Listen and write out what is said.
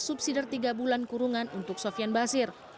subsidi tiga bulan kurungan untuk sofian basir